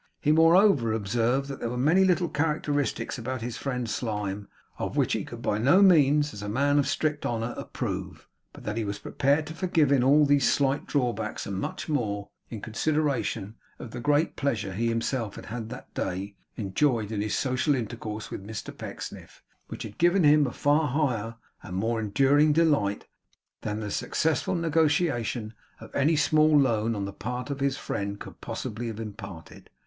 He moreover observed that there were many little characteristics about his friend Slyme, of which he could by no means, as a man of strict honour, approve; but that he was prepared to forgive him all these slight drawbacks, and much more, in consideration of the great pleasure he himself had that day enjoyed in his social intercourse with Mr Pecksniff, which had given him a far higher and more enduring delight than the successful negotiation of any small loan on the part of his friend could possibly have imparted.